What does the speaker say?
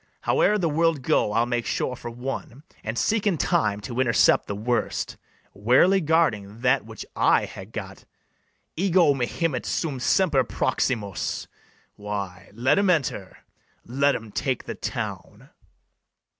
Howe'er the world go, I'll make sure for one, And seek in time to intercept the worst, Warily guarding that which I ha' got: Ego mihimet sum semper proximus: Why, let 'em enter, let 'em take the town.